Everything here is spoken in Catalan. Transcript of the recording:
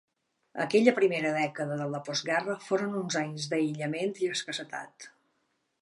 Aquella primera dècada de la postguerra foren uns anys d'aïllament i escassetat.